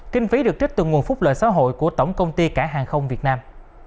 kinh phí được trích từ nguồn phúc lợi xã hội của tổng công ty cảng hàng không việt nam